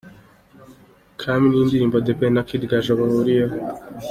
Kami ni indirimbo The Ben na Kid Gaju bahuriyeho.